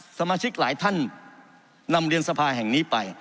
สมาชิกหลายท่านนำเรียนสภาแห่งนี้ไป